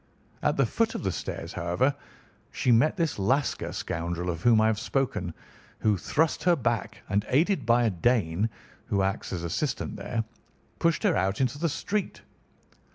At the foot of the stairs, however, she met this Lascar scoundrel of whom I have spoken, who thrust her back and, aided by a Dane, who acts as assistant there, pushed her out into the street.